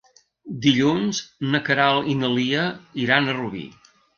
Dilluns na Queralt i na Lia iran a Rubí.